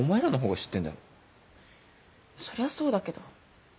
そりゃそうだけど。